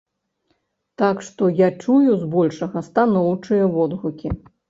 Так што я чую збольшага станоўчыя водгукі.